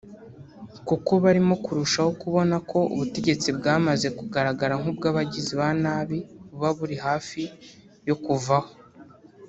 kuko barimo kurushaho kubona ko ubutegetsi bwamaze kugaragara nk’ubw’abagizi ba nabi buba buri hafi yo kuvaho